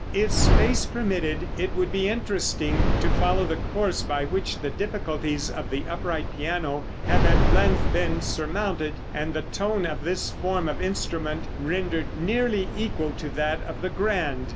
If space permitted it would be interesting to follow the course by which the difficulties of the upright piano have at length been surmounted, and the tone of this form of instrument rendered nearly equal to that of the grand.